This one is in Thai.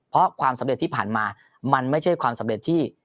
เพราะความสำเร็จที่ผ่านมามันไม่ใช่ความสำเร็จที่